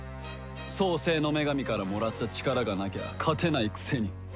創世の女神からもらった力がなきゃ勝てないくせに。